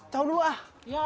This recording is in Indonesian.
jauh dulu ah